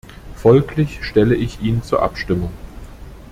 Folglich stelle ich ihn zur Abstimmung.